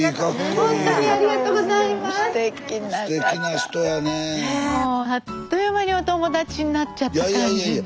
もうあっという間にお友達になっちゃった感じで。